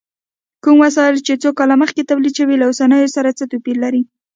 کوم وسایل چې څو کاله مخکې تولید شوي، له اوسنیو سره څه توپیر لري؟